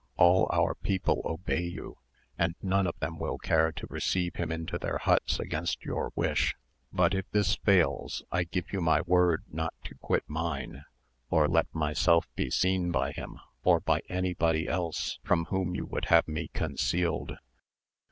All our people obey you, and none of them will care to receive him into their huts against your wish. But if this fails, I give you my word not to quit mine, or let myself be seen by him, or by anybody else from whom you would have me concealed.